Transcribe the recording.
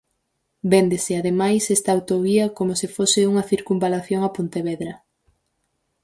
Véndese, ademais, esta autovía como se fose unha circunvalación a Pontevedra.